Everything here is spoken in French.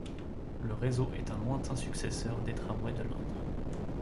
Le réseau est un lointain successeur des Tramways de l'Indre.